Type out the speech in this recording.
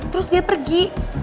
terus dia pergi